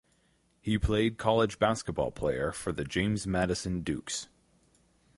He played college basketball player for the James Madison Dukes.